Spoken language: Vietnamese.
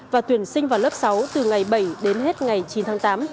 và tuyển sinh vào lớp sáu từ ngày bảy đến hết ngày chín tháng tám